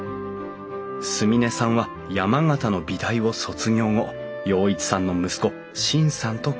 純音さんは山形の美大を卒業後陽一さんの息子新さんと結婚。